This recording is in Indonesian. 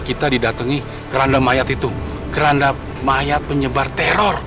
kita didatangi keranda mayat itu keranda mayat penyebar teror